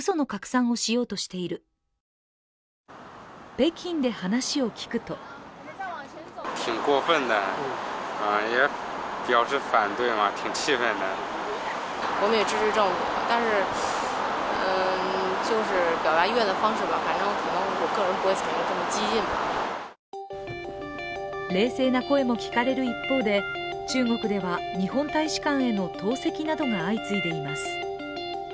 北京で話を聞くと冷静な声も聞かれる一方で、中国では日本大使館への投石などが相次いでいます。